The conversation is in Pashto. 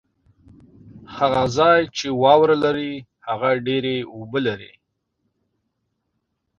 هغه ځای چې واوره لري ، هغه ډېري اوبه لري